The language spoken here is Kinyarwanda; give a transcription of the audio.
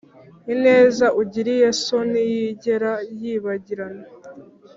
ineza ugiriye so ntiyigera yibagirana,